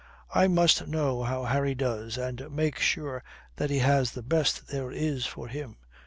"I must know how Harry does and make sure that he has the best there is for him.